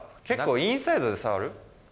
インサイドで触る。